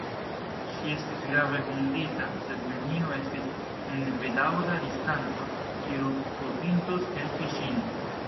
Ŝi estis grave vundita, sed neniu estis en vid-aŭda distanco, kiu povintus helpi ŝin.